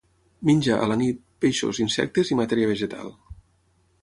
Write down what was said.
Menja, a la nit, peixos, insectes i matèria vegetal.